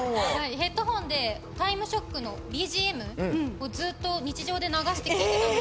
ヘッドホンで『タイムショック』のＢＧＭをずっと日常で流して聴いてたので。